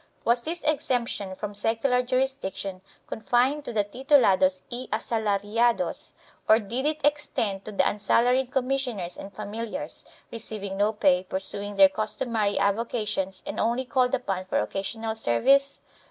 Was this exemption from secular jurisdiction confined to the tilulados y asalariados or did it extend to the unsalaried commissioners and familiars, receiving no pay, pursuing their customary avoca tions and only called upon for occasional service?